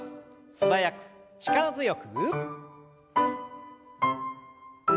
素早く力強く。